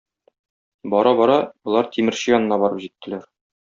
Бара-бара, болар тимерче янына барып җиттеләр.